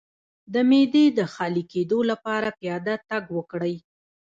د معدې د خالي کیدو لپاره پیاده تګ وکړئ